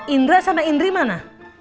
indra sama indri mana